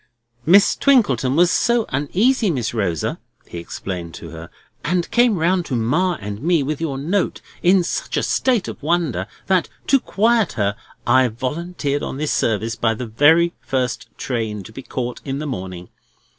"Miss Twinkleton was so uneasy, Miss Rosa," he explained to her, "and came round to Ma and me with your note, in such a state of wonder, that, to quiet her, I volunteered on this service by the very first train to be caught in the morning.